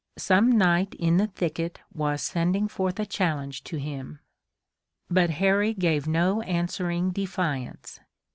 Some knight in the thicket was sending forth a challenge to him. But Harry gave no answering defiance.